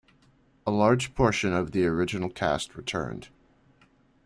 A large portion of the original cast returned.